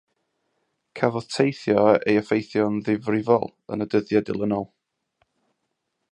Cafodd teithio ei effeithio'n ddifrifol yn y dyddiau dilynol.